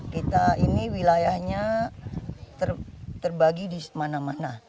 kita ini wilayahnya terbagi di mana mana